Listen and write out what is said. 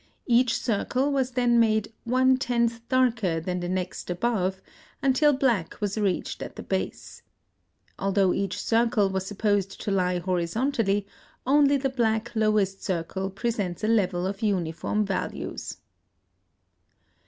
Each circle was then made "one tenth" darker than the next above, until black was reached at the base. Although each circle was supposed to lie horizontally, only the black lowest circle presents a level of uniform values.